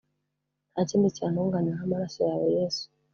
Ntakindi cyantunganya nk’amaraso yawe yesu